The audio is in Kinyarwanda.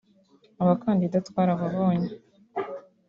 Abakandida twarababonye